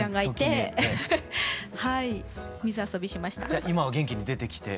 じゃあ今は元気に出てきて。